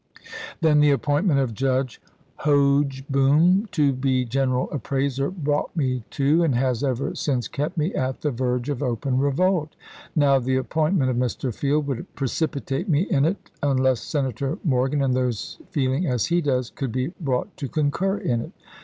Then the appointment of Judge Hoge 94 ABRAHAM LINCOLN Chap. iv. boom to be general appraiser brought me to, and has ever since kept me at, the verge of open revolt. Now the appointment of Mr. Field would precipitate me in it, un less Senator Morgan, and those feeling as he does, could Lincoln ^e brought to concur in it.